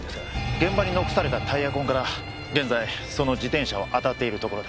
現場に残されたタイヤ痕から現在その自転車をあたっているところです。